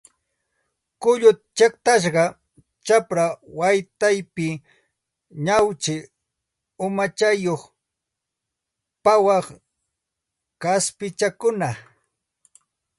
Kullu chiqtasqa, chapra waqtaypi ñawchi umachayuq pawaq kaspichakuna